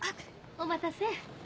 お待たせ。